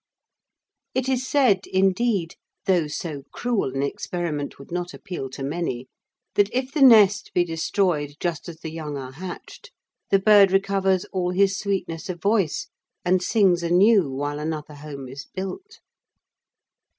It is said, indeed though so cruel an experiment would not appeal to many that if the nest be destroyed just as the young are hatched the bird recovers all his sweetness of voice and sings anew while another home is built.